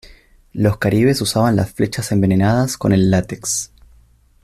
Los caribes usaban las flechas envenenadas con el látex.